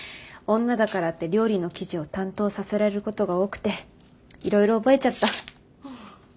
女だからって料理の記事を担当させられることが多くていろいろ覚えちゃった。